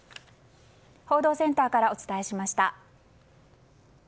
報道センターからお伝えしました。